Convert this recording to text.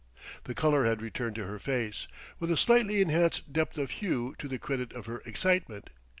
The color had returned to her face, with a slightly enhanced depth of hue to the credit of her excitement.